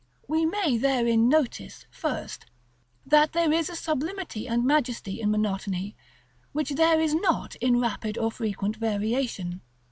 We may therein notice, first, that there is a sublimity and majesty in monotony which there is not in rapid or frequent variation.